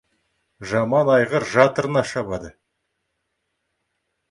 Жаман айғыр жатырына шабады.